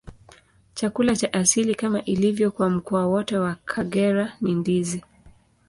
Chakula cha asili, kama ilivyo kwa mkoa wote wa Kagera, ni ndizi.